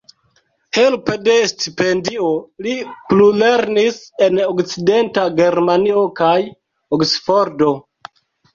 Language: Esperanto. Helpe de stipendio li plulernis en Okcidenta Germanio kaj Oksfordo.